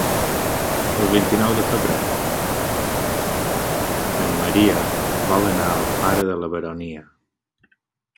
El vint-i-nou de febrer en Maria vol anar a Alfara de la Baronia.